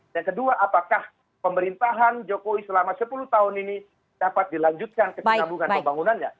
dan kedua apakah pemerintahan jokowi selama sepuluh tahun ini dapat dilanjutkan ke penambungan pembangunannya